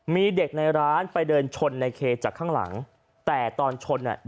มีเด็กในร้านไปเดินชนในเคจากข้างหลังแต่ตอนชนอ่ะ